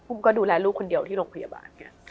ก็ดูแลลูกคนเดียวที่โรงพยาบาล